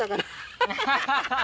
ハハハハ。